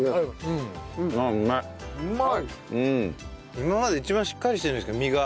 今までで一番しっかりしてるんじゃないですか身が。